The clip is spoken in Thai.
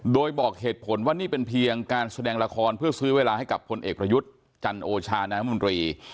โดยบอกเหตุผลว่านี่เป็นเพียงการแสดงละครเพื่อซื้อเวลาให้กับพลเอกประยุทธ์จันโอชานายมนตรี